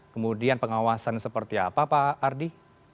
kemudian pengawasan seperti apa pak ardi